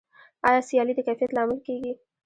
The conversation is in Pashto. آیا سیالي د کیفیت لامل کیږي؟